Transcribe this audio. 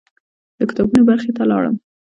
د کتابونو برخې ته لاړم.